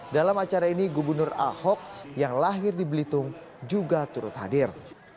dalam acara ini gubernur ahok yang lahir di belitung juga turut hadir